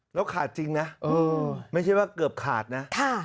แล้วขาดจริงนะไม่ใช่ว่าเกือบขาดนะ